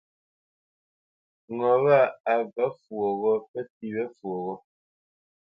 Ŋo wâ kâʼ a və̌ fwoghó pə fî wé fwoghó.